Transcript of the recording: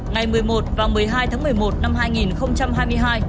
ngày một mươi một và một mươi hai tháng một mươi một năm hai nghìn hai mươi hai